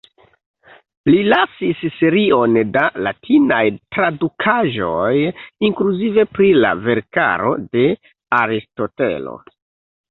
Li lasis serion da latinaj tradukaĵoj, inkluzive pri la verkaro de Aristotelo.